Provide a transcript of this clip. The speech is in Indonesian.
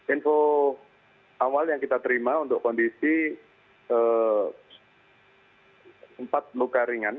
info awal yang kita terima untuk kondisi empat luka ringan